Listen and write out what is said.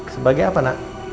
sebagai apa nak